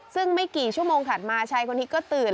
ซึ่งไม่กี่ชั่วโมงถัดมาชายคนนี้ก็ตื่น